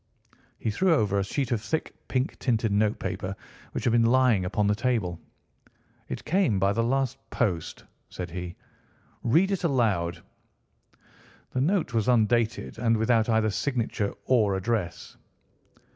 He threw over a sheet of thick, pink tinted notepaper which had been lying open upon the table. "It came by the last post," said he. "Read it aloud." The note was undated, and without either signature or address.